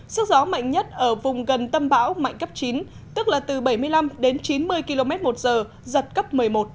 sức gió mạnh nhất ở vùng gần tâm bão mạnh cấp chín tức là từ bảy mươi năm đến chín mươi km một giờ giật cấp một mươi một